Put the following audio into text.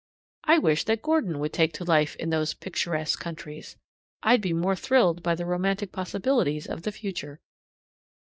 I wish that Gordon would take to life in those picturesque countries; I'd be more thrilled by the romantic possibilities of the future.